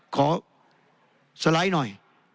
ขอสไลด์หน่อย